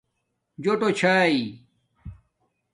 جݸٹݸ چھائئ